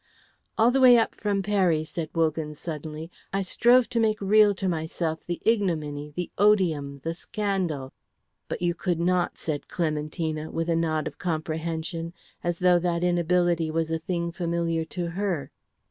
"All the way up from Peri," said Wogan, suddenly, "I strove to make real to myself the ignominy, the odium, the scandal." "But you could not," said Clementina, with a nod of comprehension, as though that inability was a thing familiar to her.